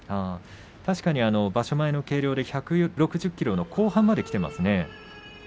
確か、場所前の計量で１６０ｋｇ後半まできていますよね。